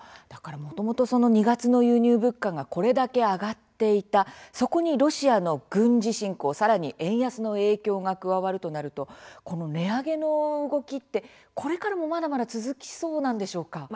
もともと２月の輸入物価がこれだけ上がっていたそこに、ロシアの軍事侵攻さらに円安の影響が加わるとなると値上げの動きってこれからも、まだまだ続きそうなんでしょうか？